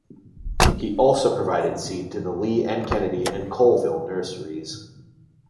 He also provided seed to the Lee and Kennedy and Colvill nurseries.